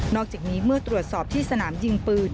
อกจากนี้เมื่อตรวจสอบที่สนามยิงปืน